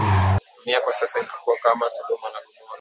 Dunia kwa sasa inakuwa kama sodoma na gomora